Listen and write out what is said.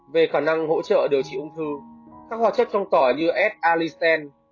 về khả năng hỗ trợ điều trị ung thư các hoạt chất trong tỏi như s alicen